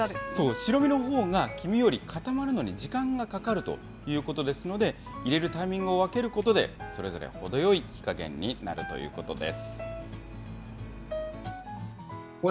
白身のほうが黄身より固まるのに時間がかかるということですので、入れるタイミングを分けることで、それぞれほどよい火加減になるということです。